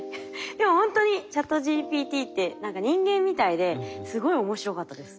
でもほんとにＣｈａｔＧＰＴって何か人間みたいですごい面白かったです。